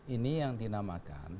ini yang dinamakan